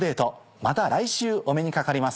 また来週お目にかかります。